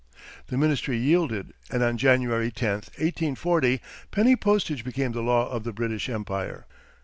The ministry yielded, and on January 10, 1840, penny postage became the law of the British Empire.